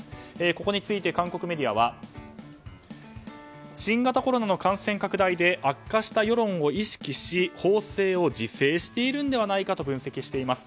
ここについて韓国メディアは新型コロナの感染拡大で悪化した世論を意識し、報道を自制しているのではないかと分析しています。